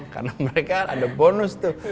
karena mereka ada bonus tuh